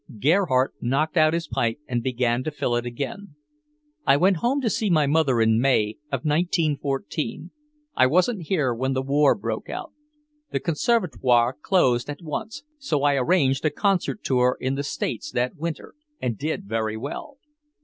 Gerhardt knocked out his pipe and began to fill it again. "I went home to see my mother in May, of 1914. I wasn't here when the war broke out. The Conservatoire closed at once, so I arranged a concert tour in the States that winter, and did very well.